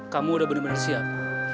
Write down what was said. kamu udah bener bener siap